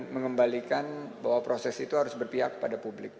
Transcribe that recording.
mengembalikan bahwa proses itu harus berpihak pada publik